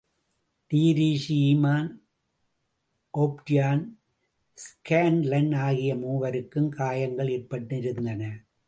Treacy, Yemen O'Brien, Scanlon ஆகிய மூவருக்கும் காயங்கள் ஏற்பட்டிருந்தன.